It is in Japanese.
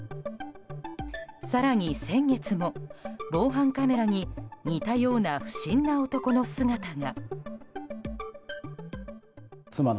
更に、先月も防犯カメラに似たような不審な男の姿が。